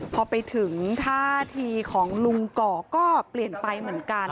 พอไปถึงท่าทีของลุงก่อก็เปลี่ยนไปเหมือนกัน